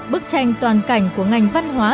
bức tranh toàn cảnh của ngành văn hóa